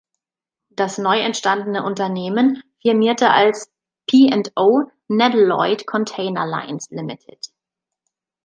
Das neu entstandene Unternehmen firmierte als "P&O-Nedlloyd Container Lines Ltd.